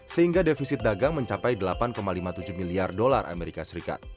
sehingga defisit dagang mencapai delapan lima puluh tujuh miliar dolar as